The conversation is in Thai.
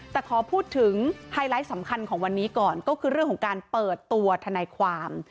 แต่ขอพูดถึงไฮไลท์สำคัญของวันนี้ก่อนก็คือเรื่องของการเปิดตัวทนายความ